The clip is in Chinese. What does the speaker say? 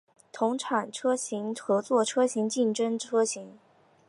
同厂车型合作车型竞争车型